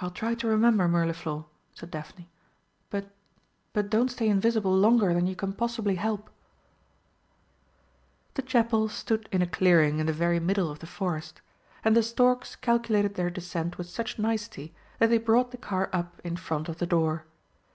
"I'll try to remember, Mirliflor," said Daphne. "But but don't stay invisible longer than you can possibly help." The Chapel stood in a clearing in the very middle of the forest, and the storks calculated their descent with such nicety that they brought the car up in front of the door.